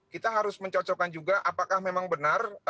kita harus mencocokkan juga apakah memang benar